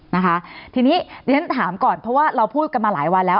นะคะทีนี้เรียนถามก่อนเพราะว่าเราพูดกันมาหลายวันแล้ว